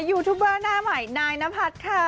ยูทูบเบอร์หน้าใหม่นายนพัฒน์ค่ะ